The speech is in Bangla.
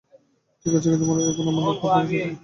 ঠিক আছে, কিন্তু মনে রাখবেন, আমার লক্ষ্য আপনাকে সাহায্য করা।